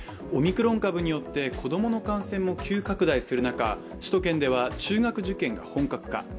オミクロン株によって子供の感染も急拡大する中、首都圏では中学受験が本格化。